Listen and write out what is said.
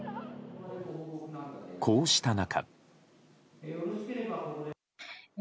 こうした中。